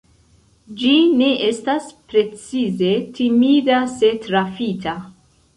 Ĝi ne estas precize timida se trafita.